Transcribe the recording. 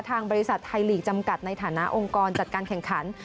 ทางบริษัทไทยลีกจำกัดในฐานะองค์กรจัดการแข่งขัน